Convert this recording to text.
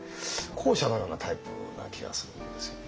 後者のようなタイプのような気がするんですよね。